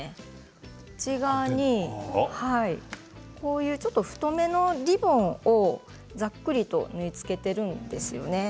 内側に太めのリボンをざっくりと縫い付けているんです。